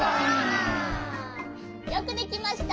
よくできました。